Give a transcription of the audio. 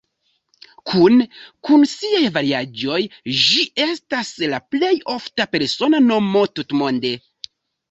Kune kun siaj variaĵoj ĝi estas la plej ofta persona nomo tutmonde.